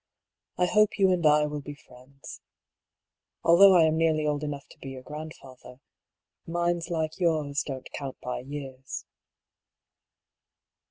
I hope you and I will be friends. Although I am nearly old enough to be your grandfather — minds like yours don't count by years."